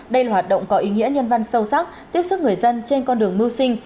đây là hoạt động có ý nghĩa nhân văn sâu sắc tiếp sức người dân trên con đường mưu sinh